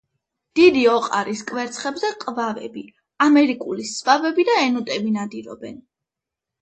დიდი ოყარის კვერცხებზე ყვავები, ამერიკული სვავები და ენოტები ნადირობენ.